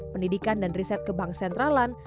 pendidikan dan riset kebank sentralan